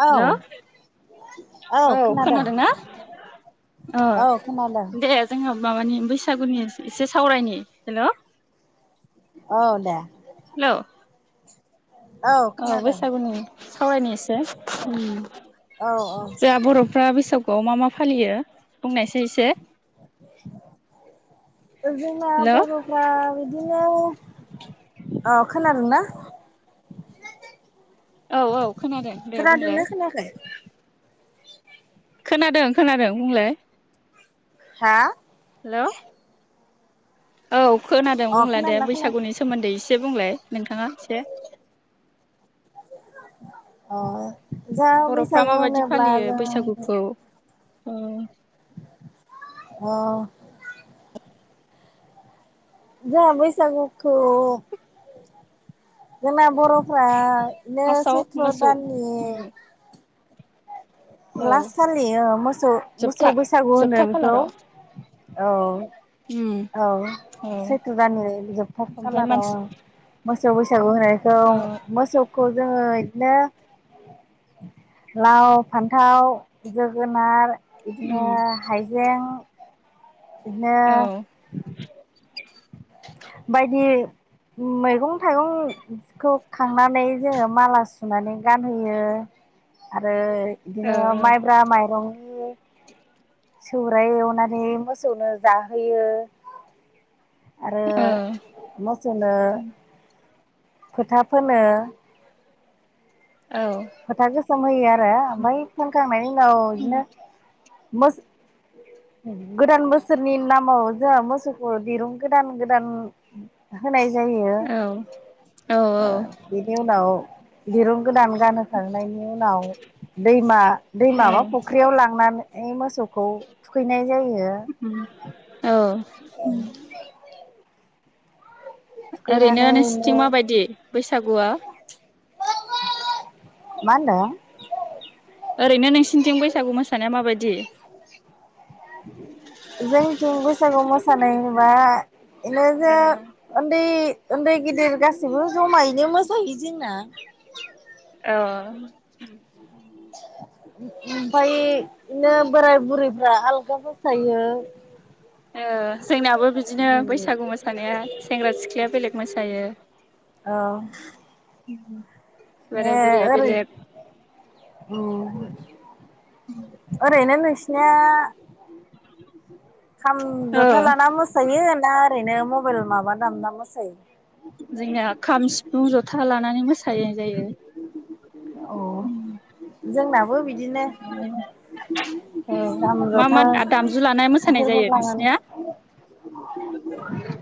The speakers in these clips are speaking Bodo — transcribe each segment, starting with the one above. औ हेल'। औ ओ खोनादों खोनादोंना ओ औ खोनादों दे। जोङो माबानि बैसागुनि एसे सावरायनि हेल'। ओ दे। हेल'। औ बैसागुनि सावरायनि एसे‌ हम औ औ। जोंहा बर'फ्रा बैसागुआव मा मा फालियो बुंनायसाय एसे। जोंना हेलौ बर' फ्रा बिदिनो अ खोनादोंना? औ औ खोनादों दे बुंलाय। खोनाखै। खोनादों खोनादों बुंलाय। हा? हेल'। औ खोनादों अ बुंलाय दे खोनादोंना खोनायाखै बैसागुनि सोमोन्दै एसे बुंलाय नोंथाङा एसे। अ जा बर'फ्रा बैसागु माबायदि होनोब्ला फालियो जों बैसागुखौ [unintelligible] अ। जों बैसागुखौ जोंना बर'फ्रा नो फार्स्टआव सैथ्र मोसौ दाननि उम औ लास खालियो मोसौ मोसौ जोबथा बैसागु होनो जोबथा बेखौ खालाराव औ। उम औ औ सैथ्र' दाननि जोबथा ओमफ्राय खालाराव मानसि औ। मोसौ बैसागु होनायखौ मोसौखौ जोङो एदिनो लाव फान्थाव जोगोनार बिदिनो ओरैनो हाइजें। बिदिनो। बायदि मैगं थाइगं। खौ खांनानै जोङो माला सुनानै गानहोयो आरो। बिदिनो माइब्रा माइरं। सौराय एवनानै मोसौनो जाहोयो। आरो मोसौनो फोथा फोनो। औ। फोथा गोसोम होयो आरो ओमफाय फोनखांनायनि उनाव बिदिनो मोस गोदान बोसोरनि नामाव जोंहा मोसौखौ दिरुं गोदान गोदान। होनाय जायो। बिनि उनाव दिरुन गोदान गानहो खांनायनि उनाव दैमा दैमाबा फुख्रियाव लांनानै मोसौखौ। थुखैनाय जायो। उम औ ओं ओरैनो थुखैनानै नोंसोरथिं बिनो माबायदि बैसागुआ? मा होनदों? ओरैनो नोंसोरनिथिं बैसागु मोसानाया माबायदि जोंथिं बैसागु मोसानाय होनोबा इनो जे उन्दै उन्दै गेदिर गासैबो जमायैनो मोसायो जोंना औ उम ओमफ्राय इदिनो बोराय बुरैफ्रा आलगा मोसायो ओ जोंना बो बि दिनो बैसागु मोसानाया सेंग्रा सिख्लाया बेलेग मोसायो औ उम नो ओरै उम ओरैनो नोंसि निया खाम औ जथा लाना मोस सायो ना ओरैनो मबाइल माबा दामना मोसायो जोंनिया खाम सिफुं जथा लानानै मोसानाय जायो औ‌ जोंनाबो बिदिनो औ खाम मा जथा मा दा-दामजु लानाय‌ मोसानाय बेफोरखौ जायो लानानै नोंसिनिया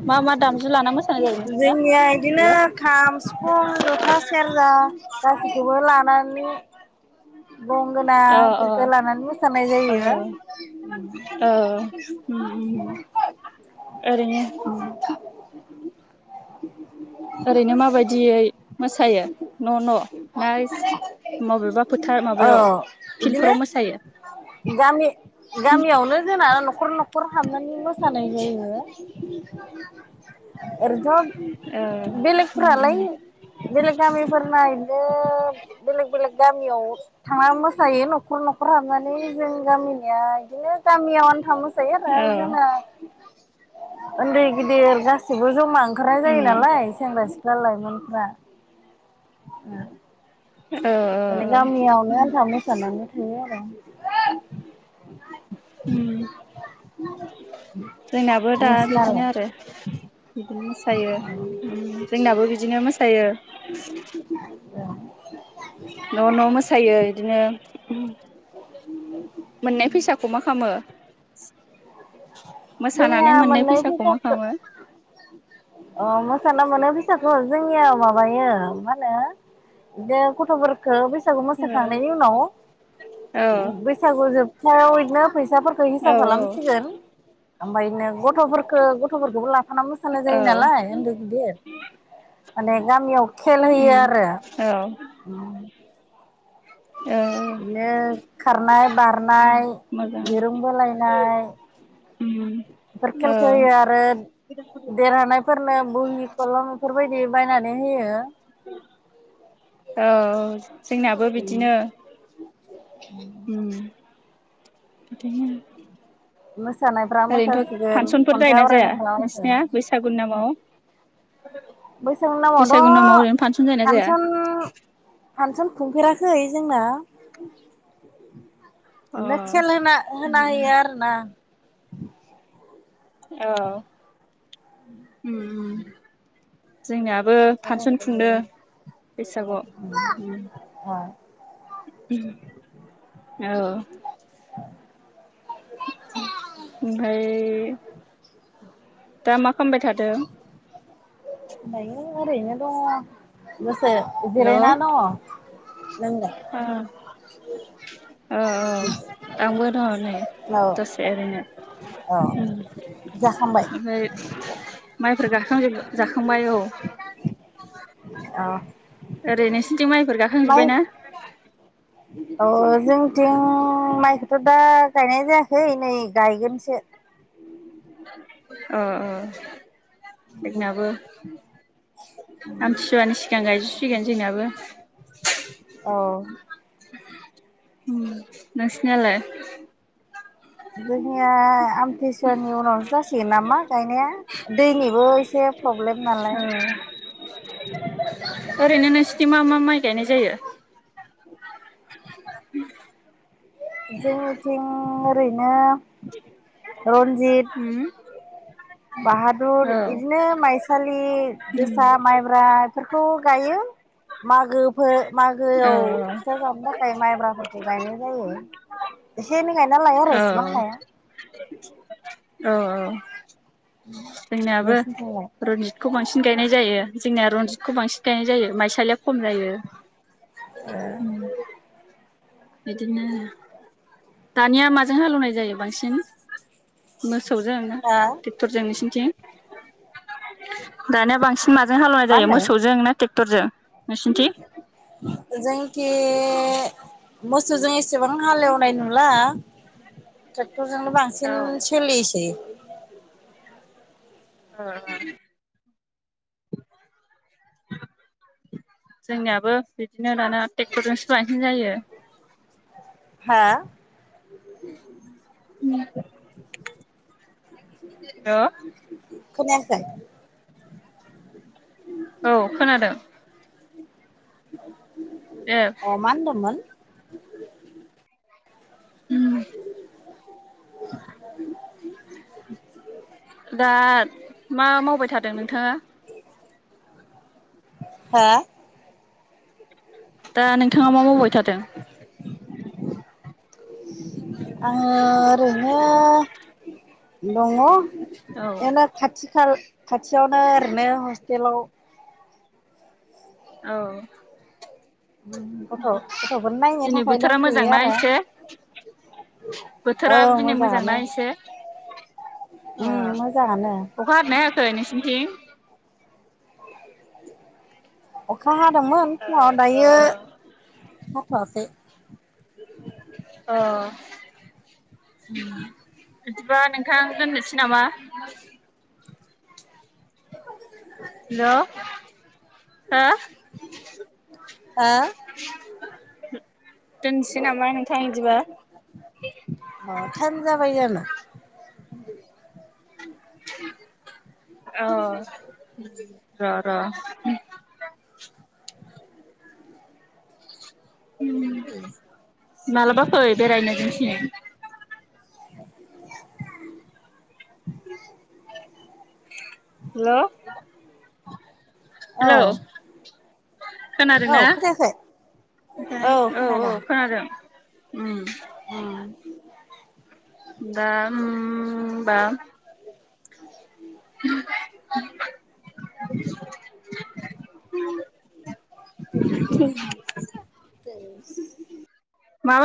मा मा दामजु लाना मोसानाय जायो नोंसिना? जोंनिया इदिनो खाम सिफुं जथा सेरजा गासैखौबो लानानै गंगोना अ अ इफोरखो लानानै मोसानाय जायो औ उम उम ओरैनो ओरैनो माबायदियै मोसायो न' न' ना ओइस मबेबा फोथार औ माबायाव फिल्डफोराव बिदिनो मोसायो गामि गामियावनो जोंना न'खर न'खर नखर हाबनानै मोसानाय जायो ओरैथ' ओ बेलेगफोरालाय बेलेग गामिफोर [unintelligible] बेलेग बेलेग गामियाव थांनानै मोसाहैयो न'खर न'खर हाबनानै जों गामिनिया बिदिनो गामियाव आनथा मोसायो औ आरो जोंना उन्दै गिदिर गा सैबो जमा ओंखारनाय जायो उम नालाय सेंग्रा सिख्ला लाइमोनफ्रा। औ उम एने औ गामियावनो आनथा मो सानानै थाङो आरो। उम जोंनाबो दा बिदिनो नोंसिनालाय आरो। बिदिनो मोसायो उम जोंनाबो बिदिनो मोसायो। [inaudible] न' न' मोसायो इदिनो। मोननाय फैसाखौ मा खालामो? जोंनिया मोसानानै मोननाय मोननै फैसाखौ मा खालामो? ओ मोसानानै मोननाय फैसाखौ जोंनियाव माबायो मा होनो दे गथ'फोरखौ बैसागु ओ मोसाखांनायनि उनाव औ बैसागु जोबथायाव बिदिनो फैसाफोरखौ औ हिसाब खालामसिगोन ओमफ्राय बिदिनो गथ'फोरखौ गथ'फोरखौबो लाफाना मोसानाय औ जायो नालाय उन्दै गिदिर माने गामियाव खेल होयो उम आरो। औ औ बिदिनो खारनाय बारना, मोजां दुरुं बोलायनाय उम इफोर औ खेलखौ होयो आरो देरहानायफोरनो बहि खलम बेफोरबायदि बायनानै होयो। औ जोंनाबो बिदिनो। उम। मोसानायफ्रा ओरैनोथ' मोसासिगोन, फांसनफोर खन्थाइ जायोना जाया आवरायनाय खालामहोसिगोन। नोंसिनिया बैसागु नामाव? बैसागुनि बैसागु नामाव नामावथ' ओरैनो फांसन जायोना जाया फांसन फांसन खुंफेराखै जोंना। अ बिदिनो खेल होना, होना होयो आरोना। औ उम उम। जोंनियाबो खेल होबाय फांसन खुंदों थायो बेैसागुआव उम। अ औ। [inaudible] ओमफ्राय दा मा खालामबाय थादों? दायो ओरैनो दङ दसे जिरायना दङ। अ औ औ आंबो दङ नै नोंलाय दसे एरैनो। औ जाखांबाय? ओमफ्राय माइफोर गायखांजोब, जाखांबाय औ। अह। ओरै नोंसिनिथिं माइफोर गाखांजोब्बाय ना? अ जोंनिथिं माइखौथ' दा गायनाय जायाखै नै गायगोनसो। अह अह। जोंनाबो आमथिसुवानि सिगां गायजोब सिगोन जोंनाबो। ओ उम नोंसिनियालाय जोंनिया आमथिसुवानि उनावसो जासिगोन नामा गायनाया दैनिबो एसे प्रब्लेम नालाय औ ओरैनो नोंसिनिथिं मा मा माइ गायनाय जायो? जोंनिथिं ओरैनो रनजित उम बाहादुर औ इदिनो माइसालि जोसा माइब्रा फोरखौ गायो मागोफोर औ मागोआव फिथा जानोबा थाखा खाय माइब्राफोरखौ गायनाय जायो एसे एनै गायना लायो आरो औ इसिबां गाया औ औ जोंनियाबो नोंसिनिथिंलाय रनजित खौ बांसिन गायनाय जायो जोंनिया रनजितखौ बांसिन गायनाय जायो माइसालिया खम जायो। ए उम बिदिनो दानिया माजों हालेवनाय जायो बांसिन मोसौजों ना हा ट्रेक्टरजों नोंसोरनिथिं दानिया बां सिन माजों हालेवनाय मा जायो होनदों मोसौजों ना ट्रेक्टरजों नोंसिनिथिं जोंनिथिं मोसौजों एसेबां हालेवनाय नुला ट्रेक्टरजोंनो बांसिन औ ओ सोलियोसै ओम ओम जोंनियाबो बिदिनो दाना ट्रेक्टरजोंसो बांसिन जायो हा। उम हेल खोनायाखै औ खोनादों। ए अ' मा होनदोंमोन? उम दा मा मावबाय थादों नोंथाङा? हा दा नोंथाङा मा मावबाय थादों? आंङो ओरैनो दङ औ ओरैनो खाथि खाल खाथियावनो ओरैनो हस्टेलाव औ गथ' गथ'फोर नायनो दिनै थाखाय बोथोरा दंफैयो मोजांना आरो एसे? औ बोथोरा दिनै मोजाङानो मोजांना एसे? ओ उम मोजाङानो अखा हादोंना हायाखै नोंसिनिथिं? अखा हादोंमोन फुङाव ओ दायो हाथ'वाखै। अ' उम बिदिबा नोंथां दोननोसै नामा? हेल' हा हो दोनसै नामा नोंथां बिदिबा? अ थाइम जाबायानो अ र र [unintelligible] दै [unintelligible] मालाबा फै बेरायनो जोंनिथिं। औ हेल' हेल'। खोनादों औ न खोनायाखै ओफ्रायाय औ औ खोनादों [unintelligible] उम। दा उम बा। उ [unintelligible] [unintelligible] द [unintelligible] मा